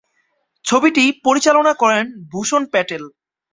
ছবিটি পরিচালনা করেন ভূষণ প্যাটেল।